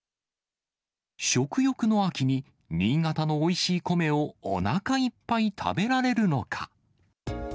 食欲の秋に、新潟のおいしい米をおなかいっぱい食べられるのか。